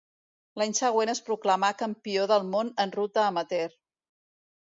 L'any següent es proclamà Campió del món en ruta amateur.